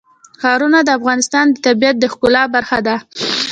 ښارونه د افغانستان د طبیعت د ښکلا برخه ده.